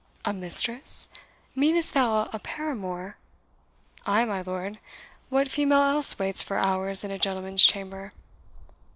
"A mistress! meanest thou a paramour?" "Ay, my lord; what female else waits for hours in a gentleman's chamber?"